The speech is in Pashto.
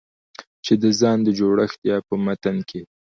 چې د ځان د جوړښت يا په متن کې